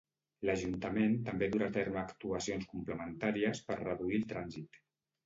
L'Ajuntament també durà a terme actuacions complementàries per reduir el trànsit.